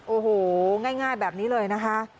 โอ้โหง่ายแบบนี้เลยนะคะ